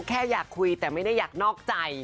แค่อยากคุยแต่ไม่ได้อยากนอกใจ